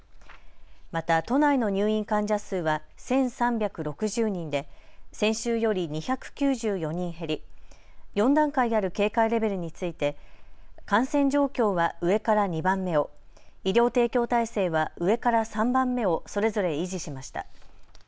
また都内の入院患者数は１３６０人で、先週より２９４人減り４段階ある警戒レベルについて感染状況は上から２番目を、医療提供体制は上から３番目をそれぞれ維持しました。